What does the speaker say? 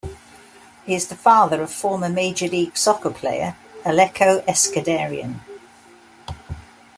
He is the father of former Major League Soccer player Alecko Eskandarian.